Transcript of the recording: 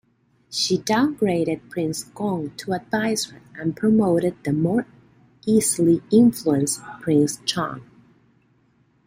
She downgraded Prince Gong to "advisor" and promoted the more easily influenced Prince Chun.